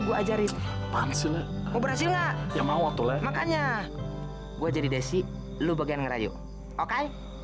gua ajarin mau berhasil nggak ya mau tuh leh makanya gua jadi desi lu bagian ngerayu oke